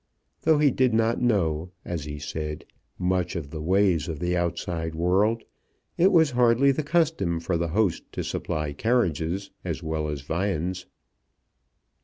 Though he did not know, as he said, much of the ways of the outside world, it was hardly the custom for the host to supply carriages as well as viands.